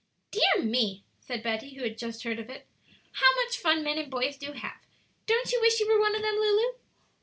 "Dear me!" said Betty, who had just heard of it, "how much fun men and boys do have! Don't you wish you were one of them, Lulu?"